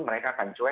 mereka akan cuek